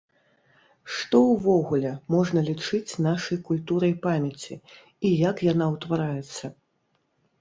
Што ўвогуле можна лічыць нашай культурай памяці і як яна ўтвараецца?